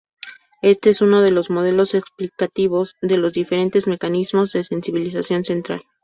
Este es uno de los modelos explicativos de los diferentes mecanismos de sensibilización central.